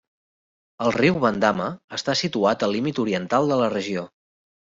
El Riu Bandama està situat al límit oriental de la regió.